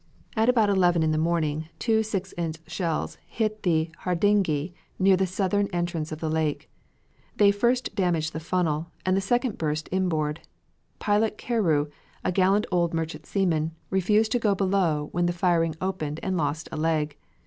At about eleven in the morning two six inch shells hit the Hardinge near the southern entrance of the lake. They first damaged the funnel, and the second burst inboard. Pilot Carew, a gallant old merchant seaman, refused to go below when the firing opened and lost a leg.